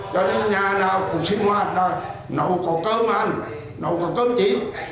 cho đến nhà nào cũng sinh hoạt rồi nấu có cơm ăn nấu có cơm trí